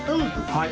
はい！